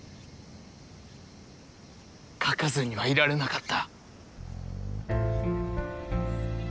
書かずにはいられなかった。